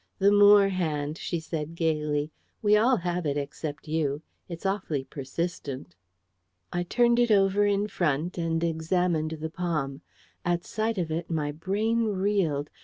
"The Moore hand," she said gaily. "We all have it, except you. It's awfully persistent." I turned it over in front and examined the palm. At sight of it my brain reeled.